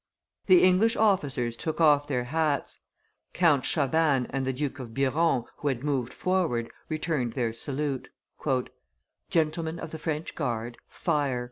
The English officers took off their hats; Count Chabannes and the Duke of Biron, who had moved forward, returned their salute. "Gentlemen of the French guard, fire!"